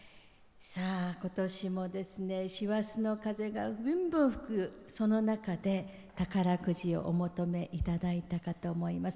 今年も師走の風がぶんぶん吹くその中で宝くじをお求めいただいたと思います。